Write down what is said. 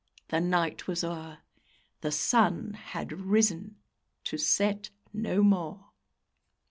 The night was o'er; The SUN had risen, to set no more!